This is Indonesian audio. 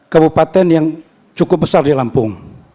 kabupaten yang cukup besar di lampung